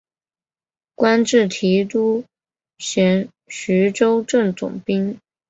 官至提督衔徐州镇总兵。